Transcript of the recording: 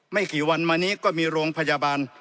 ไม่กี่วันมานี้ก็มีโรงพยาบาล